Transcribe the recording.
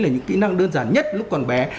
là những kỹ năng đơn giản nhất lúc còn bé